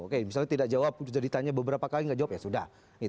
oke misalnya tidak jawab sudah ditanya beberapa kali nggak jawab ya sudah